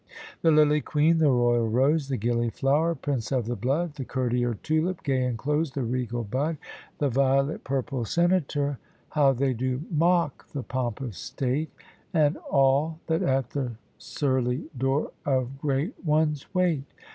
The lily queen, the royal rose, The gilly flower, prince of the blood! The courtier tulip, gay in clothes, The regal bud; The violet purple senator, How they do mock the pomp of state, And all that at the surly door Of great ones wait.